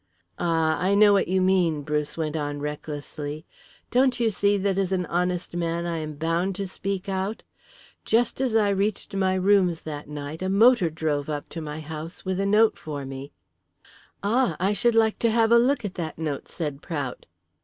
"Ah, I know what you mean," Bruce went on recklessly. "Don't you see that as an honest man I am bound to speak out? Just as I reached my rooms that night a motor drove up to my house with a note for me " "Ah! I should like to have a look at that note," said Front.